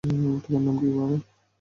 তোমার নাম কী, বাবা?